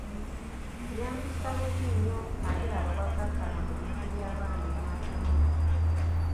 Yampisa bubi nnyo ate laba bw'akkakkana ku bintu byabandi n'atunda.